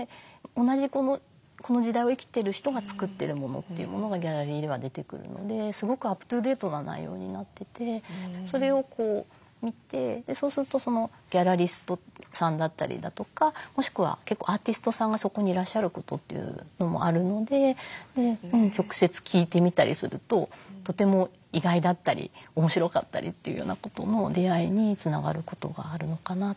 同じこの時代を生きてる人が作ってるものというものがギャラリーでは出てくるのですごくアップトゥーデートな内容になっててそれを見てそうするとギャラリストさんだったりだとかもしくは結構アーティストさんがそこにいらっしゃることというのもあるので直接聞いてみたりするととても意外だったり面白かったりというようなことも出会いにつながることがあるのかなと思います。